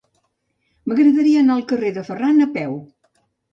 M'agradaria anar al carrer de Ferran a peu.